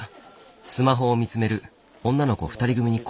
スマホを見つめる女の子２人組に声をかけた。